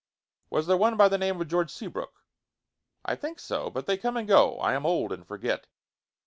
"Was there one by the name of George Seabrook?" "I think so. But they come and go. I am old and forget."